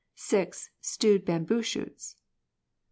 Stewed bamboo shoots.